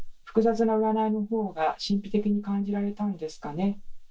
複雑な占いの方が神秘的に感じられたんですかね。